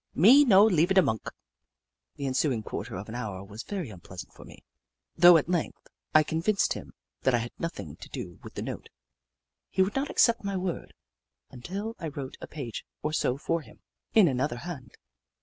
Me no leava da monk." The ensuing quarter of an hour was very unpleasant for me, though at length I con vinced him that I had nothing to do with the note. He would not accept my word until I wrote a page or so for him, in another hand.